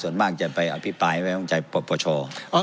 ส่วนมากจะไปอภิปรายไว้วางใจปรปช